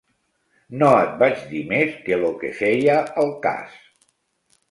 No et vaig dir més que lo que feia al cas.